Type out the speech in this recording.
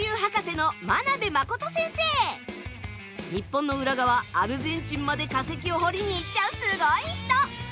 日本の裏側アルゼンチンまで化石を掘りに行っちゃうすごい人。